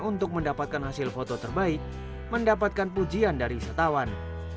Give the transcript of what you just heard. untuk mendapatkan hasil foto terbaik mendapatkan pujian dari wisatawan